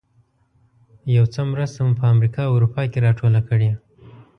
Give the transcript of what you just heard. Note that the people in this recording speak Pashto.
یو څه مرسته مو په امریکا او اروپا کې راټوله کړې.